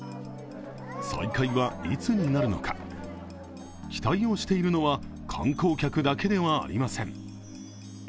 再開はいつになるのか、期待をしているのは観光客だけではありません。